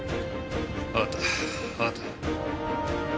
わかったわかった。